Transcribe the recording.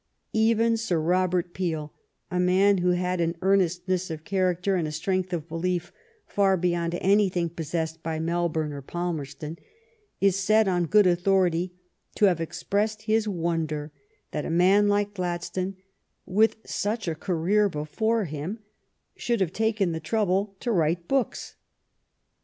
Even Sir Robert Peel, a man who had an earnestness of character and a strength of belief far beyond anything pos sessed by Melbourne or Palmerston, is said, on good authority, to have expressed his wonder that a man like Gladstone, with such a career before him, should have taken the trouble to write books.